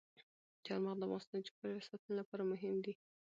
چار مغز د افغانستان د چاپیریال ساتنې لپاره مهم دي.